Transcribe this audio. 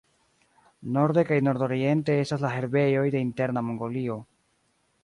Norde kaj nordoriente estas la herbejoj de Interna Mongolio.